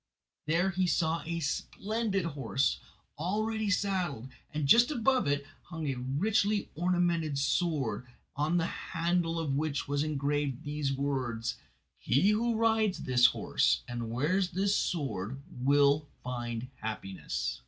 There he saw a splendid horse, all ready saddled, and just above it hung a richly ornamented sword on the handle of which was engraved these words: "He who rides this horse and wears this sword will find happiness."